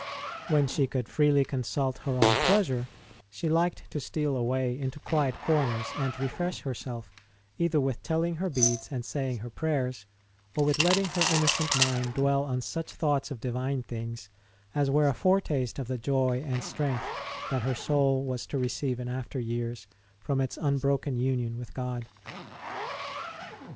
When she could freely consult her own pleasure, she liked to steal away into quiet corners and refresh herself either with telling her beads and saying her prayers, or with letting her innocent mind dwell on such thoughts of Divine things as were a foretaste of the joy and strength that her soul was to receive in after years from its un broken union with God.